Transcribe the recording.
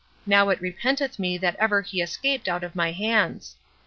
now it repenteth me that ever he escaped out of my hands."